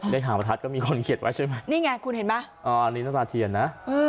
หางประทัดก็มีคนเขียนไว้ใช่ไหมนี่ไงคุณเห็นไหมอันนี้น้ำตาเทียนนะ